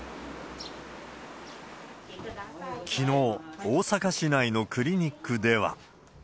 きのう、大阪市内のクリニックでは。